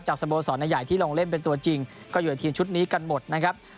สโมสรใหญ่ที่ลงเล่นเป็นตัวจริงก็อยู่ในทีมชุดนี้กันหมดนะครับ